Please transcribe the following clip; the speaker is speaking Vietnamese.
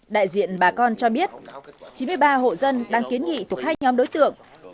đại diện bà con cho biết chín mươi ba hộ dân đang kiến nghị thuộc hai nhóm đối tượng